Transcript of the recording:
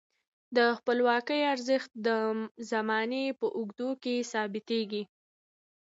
د خپلواکۍ ارزښت د زمانې په اوږدو کې ثابتیږي.